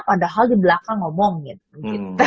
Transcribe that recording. padahal di belakang ngomong gitu